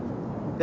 え？